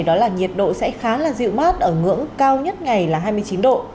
đó là nhiệt độ sẽ khá là dịu mát ở ngưỡng cao nhất ngày là hai mươi chín độ